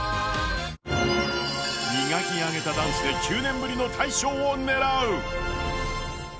磨き上げたダンスで９年ぶりの大賞を狙う！